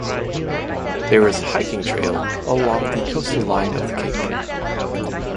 There is hiking trail along the coastal line of the cape.